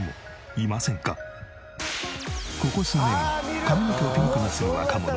ここ数年髪の毛をピンクにする若者